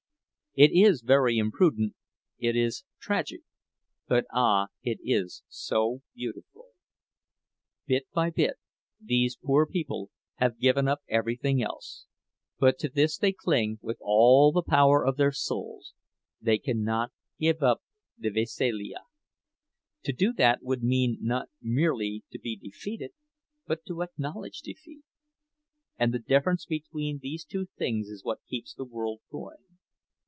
It is very imprudent, it is tragic—but, ah, it is so beautiful! Bit by bit these poor people have given up everything else; but to this they cling with all the power of their souls—they cannot give up the veselija! To do that would mean, not merely to be defeated, but to acknowledge defeat—and the difference between these two things is what keeps the world going.